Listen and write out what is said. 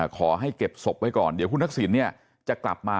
ขอให้เก็บศพไว้ก่อนเดี๋ยวคุณทักษิณจะกลับมา